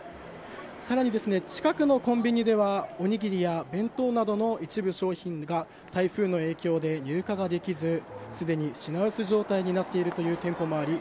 さらに近くのコンビニではおにぎりや弁当などの一部商品が台風の影響で入荷ができずすでに品薄状態になっている店舗もあり